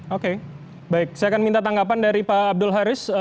oke baik saya akan minta tanggapan dari pak abdul haris